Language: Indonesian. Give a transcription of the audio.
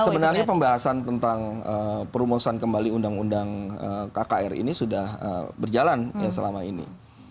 sebenarnya pembahasan tentang perumusan kembali undang undang kkr ini sudah berjalan selama ini